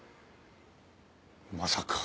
まさか。